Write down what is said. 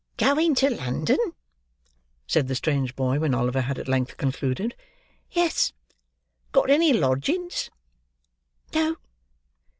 "Going to London?" said the strange boy, when Oliver had at length concluded. "Yes." "Got any lodgings?" "No."